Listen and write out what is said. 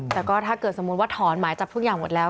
แต่ก็ถ้าเกิดสมมุติว่าถอนหมายจับทุกอย่างหมดแล้ว